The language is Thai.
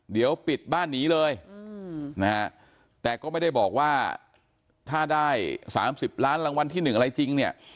เดี๋ยวปิดบ้านหนีเลยนะฮะแต่ก็ไม่ได้บอกว่าถ้าได้๓๐ล้านรางวัลที่๑อะไรจริงเนี่ย